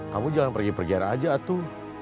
kamu jangan pergi pergi arah aja tuh